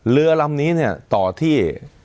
เรือลำนี้เนี่ยต่อที่